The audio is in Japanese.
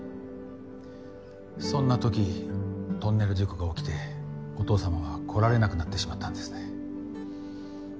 そんな時トンネル事故が起きてお父様は来られなくなってしまったんですね。